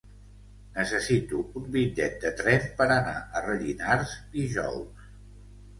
Necessito un bitllet de tren per anar a Rellinars dijous.